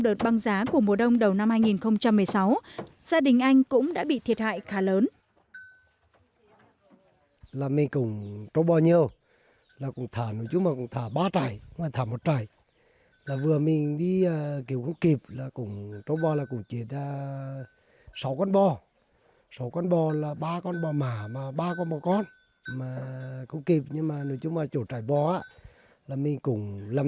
đợt băng giá của mùa đông đầu năm hai nghìn một mươi sáu gia đình anh cũng đã bị thiệt hại khá lớn